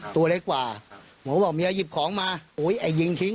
ตัวเล็กกว่าผมก็บอกเมียหยิบของมาอุ้ยไอ้ยิงทิ้ง